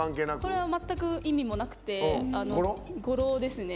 これは全く意味もなくて語呂ですね。